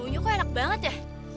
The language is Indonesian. bunyi kok enak banget ya